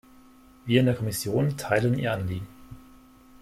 Wir in der Kommission teilen Ihr Anliegen.